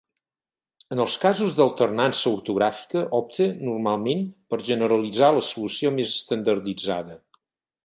En els casos d’alternança ortogràfica opte, normalment, per generalitzar la solució més estandarditzada.